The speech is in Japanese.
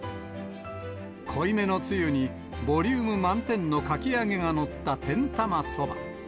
濃いめのつゆに、ボリューム満点のかき揚げが載った天玉そば。